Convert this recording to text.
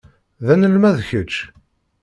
D anelmad kečč?